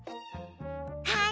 はい。